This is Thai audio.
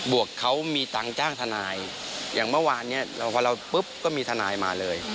วกเขามีตังค์จ้างทนายอย่างเมื่อวานเนี่ยพอเราปุ๊บก็มีทนายมาเลย